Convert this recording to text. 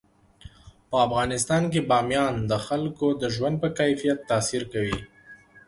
په افغانستان کې بامیان د خلکو د ژوند په کیفیت تاثیر کوي.